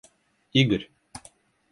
Игорь